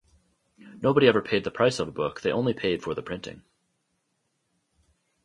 Nobody ever paid the price of a book, they only paid for the printing.